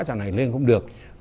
giờ này lên không được